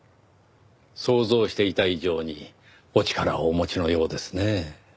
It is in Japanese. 想像していた以上にお力をお持ちのようですねぇ。